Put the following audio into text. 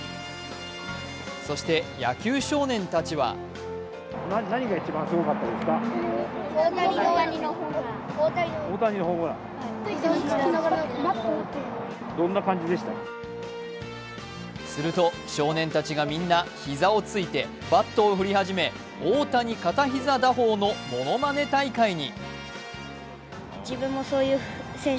そして野球少年たちはすると、少年たちがみんな膝をついてバットを振り始め大谷片膝打法のものまね大会に。